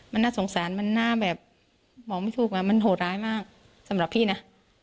มันน่าสงสารมันน่าแบบบอกไม่ถูกมันโหดร้ายมากสำหรับพี่นะ